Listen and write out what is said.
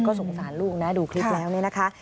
ก็สงสารลูกนะดูคลิปแล้วนะคะ